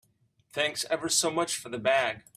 Thanks ever so much for the bag.